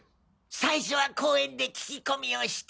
最初は公園で聞き込みをして。